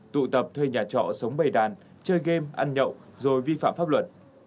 tụ tập thuê nhà trọ sống bày đàn chơi game ăn nhậu rồi vi phạm pháp luật